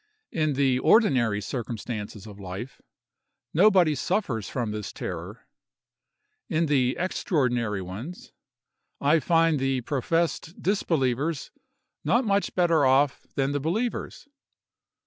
In the ordinary circumstances of life, nobody suffers from this terror; in the extraordinary ones, I find the professed disbelievers not much better off than the believers.